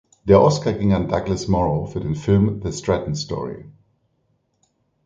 Der Oscar ging an Douglas Morrow für den Film The Stratton Story.